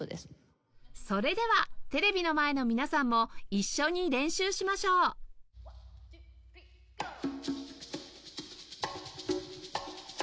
それではテレビの前の皆さんも一緒に練習しましょうワンツースリーゴー。